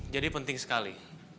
jadi penting sekali